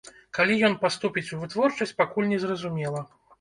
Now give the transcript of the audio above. Калі ён паступіць у вытворчасць, пакуль незразумела.